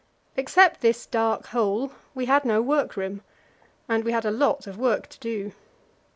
Except this dark hole we had no workroom, and we had a lot of work to do.